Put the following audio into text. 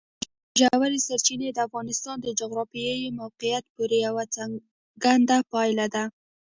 ژورې سرچینې د افغانستان د جغرافیایي موقیعت پوره یوه څرګنده پایله ده.